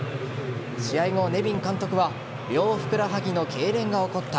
試合後、ネビン監督は両ふくらはぎのけいれんが起こった。